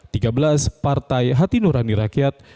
tiga belas partai hati nurani rakyat